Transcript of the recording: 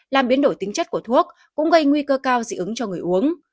làm biến đổi tính chất của thuốc cũng gây nguy cơ cao dị ứng cho người uống